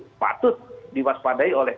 sepatut diwaspadai oleh p tiga